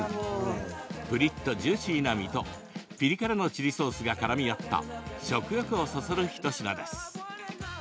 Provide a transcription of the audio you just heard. プリっとジューシーな身とピリ辛のチリソースがからみ合った食欲をそそる一品です。